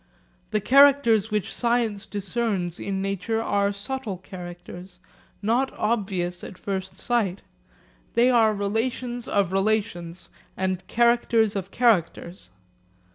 The characters which science discerns in nature are subtle characters, not obvious at first sight. They are relations of relations and characters of characters.